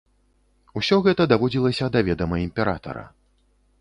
Усё гэта даводзілася да ведама імператара.